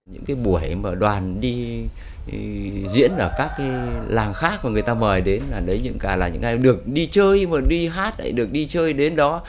những buổi đoàn diễn ở các làng khác mà người ta mời đến là những ngày được đi chơi đi hát được đi chơi đến đó